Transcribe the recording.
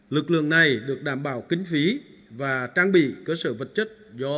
lực lượng này được đảm bảo kinh phí và trang bị cơ sở vật chất do